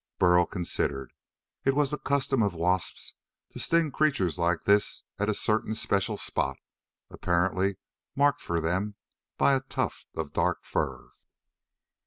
Burl considered. It was the custom of wasps to sting creatures like this at a certain special spot, apparently marked for them by a tuft of dark fur.